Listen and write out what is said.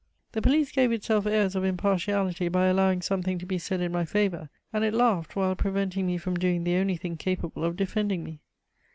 The police gave itself airs of impartiality by allowing something to be said in my favour, and it laughed while preventing me from doing the only thing capable of defending me.